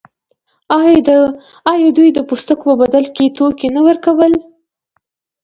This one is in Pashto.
آیا دوی د پوستکو په بدل کې توکي نه ورکول؟